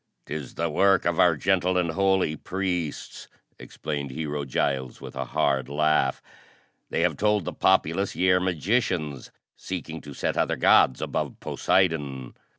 "'Tis the work of our gentle and holy priests," explained Hero Giles with a hard laugh. "They have told the populace ye are magicians seeking to set other gods above Poseidon."